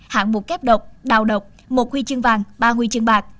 hạng mục kép độc đào độc một huy chương vàng ba huy chương bạc